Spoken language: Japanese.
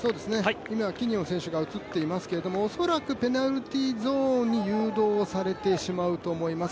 今、キニオン選手が映っていますけれども恐らくペナルティーゾーンに誘導されてしまうと思います。